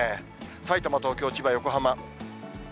さいたま、東京、千葉、横浜。